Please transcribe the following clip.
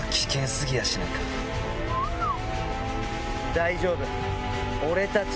大丈夫。